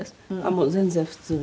もう全然普通に。